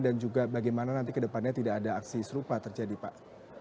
dan juga bagaimana nanti kedepannya tidak ada aksi serupa terjadi pak